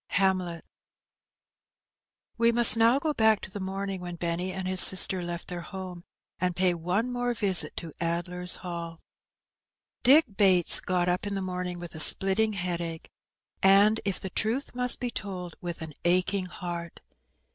Hamlet. We must now go back to the morning when Benny and his sister left their home, and pay one more visit to " Addler^s Hall/' Dick Bates got up in the morning with a spUtting headache, and, if the truth must be told, with an aching heart.